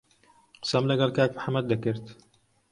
قسەم لەگەڵ کاک محەممەد دەکرد.